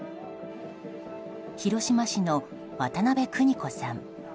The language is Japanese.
広島市の渡部久仁子さん。